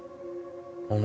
お前